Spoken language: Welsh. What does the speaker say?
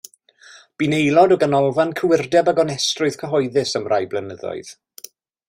Bu'n aelod o Ganolfan Cywirdeb a Gonestrwydd Cyhoeddus am rai blynyddoedd.